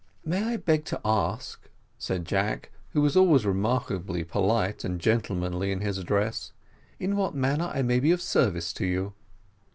"May I beg to ask," said Jack, who was always remarkably polite and gentlemanly in his address, "in what manner I may be of service to you?"